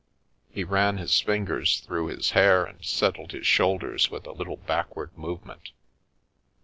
He ran his fingers through his hair and settled his shoulders with a little backward movement.